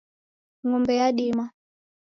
Ngombe yadima